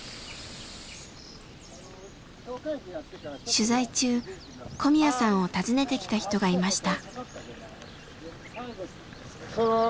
取材中小宮さんを訪ねてきた人がいました。